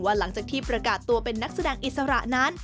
หลังจากที่ประกาศตัวเป็นนักแสดงอิสระนั้น